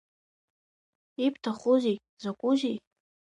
Ибҭахузеи, закәузеи?